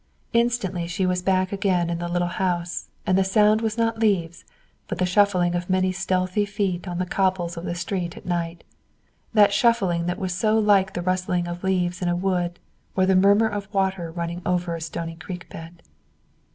Instantly she was back again in the little house, and the sound was not leaves, but the shuffling of many stealthy feet on the cobbles of the street at night, that shuffling that was so like the rustling of leaves in a wood or the murmur of water running over a stony creek bed.